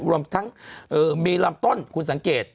รวมทั้งมีลำต้นคุณสังเกต